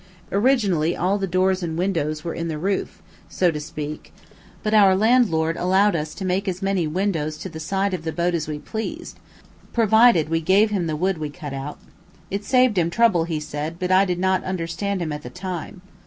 Originally, all the doors and windows were in the roof, so to speak, but our landlord allowed us to make as many windows to the side of the boat as we pleased, provided we gave him the wood we cut out. It saved him trouble, he said, but I did not understand him at the time.